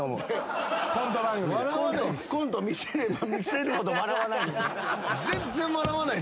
コント見せれば見せるほど笑わない。